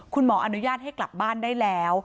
คุณหมออนุญาตให้กลับบ้านได้แล้ว